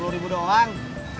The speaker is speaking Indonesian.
dua puluh ribu doang